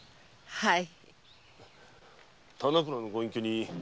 はい。